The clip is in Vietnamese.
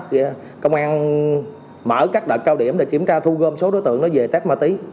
công an mở các đợt cao điểm để kiểm tra thu gom số đối tượng về test ma túy